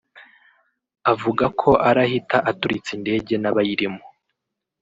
avuga ko arahita aturitsa indege n’abayirimo